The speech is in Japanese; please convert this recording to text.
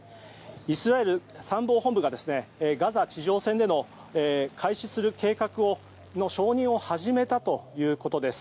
イスラエル参謀本部がガザ地上戦での開始する計画の承認を始めたということです。